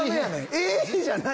「え」じゃない！